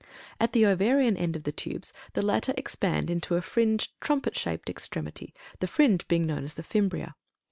At the ovarian end of the tubes the latter expand into a fringed, trumpet shaped extremity, the fringe being known as "the fimbria."